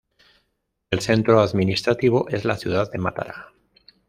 El centro administrativo es la ciudad de Matara.